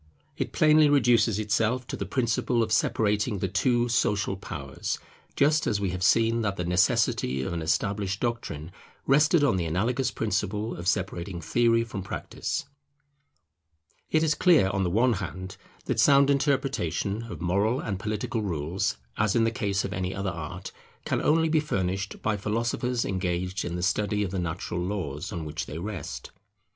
It plainly reduces itself to the principle of separating the two social powers; just as we have seen that the necessity of an established doctrine rested on the analogous principle of separating theory from practice. It is clear, on the one hand, that sound interpretation of moral and political rules, as in the case of any other art, can only be furnished by philosophers engaged in the study of the natural laws on which they rest.